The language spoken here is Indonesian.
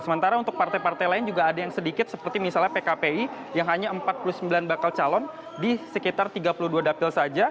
sementara untuk partai partai lain juga ada yang sedikit seperti misalnya pkpi yang hanya empat puluh sembilan bakal calon di sekitar tiga puluh dua dapil saja